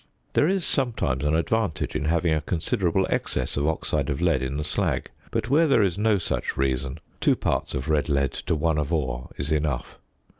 There is sometimes an advantage in having a considerable excess of oxide of lead in the slag, but where there is no such reason, 2 parts of red lead to 1 of ore is enough.